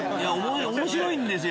面白いんですよ